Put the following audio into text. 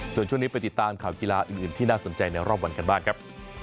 ส่วนช่วงนี้ไปติดตามข่าวกีฬาอื่นที่น่าสนใจในรอบวันกันบ้างครับ